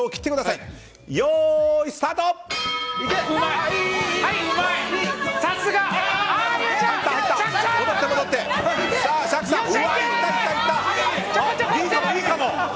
いいかも！